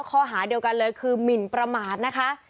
ข้อหาเดียวกันเลยคือหมินประมาทนะคะ